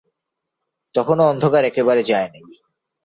তখনো অন্ধকার একেবারে যায় নাই।